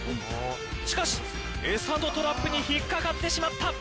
しかし、餌のトラップに引っかかってしまった。